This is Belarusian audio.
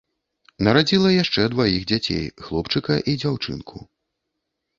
Нарадзіла яшчэ дваіх дзяцей, хлопчыка і дзяўчынку.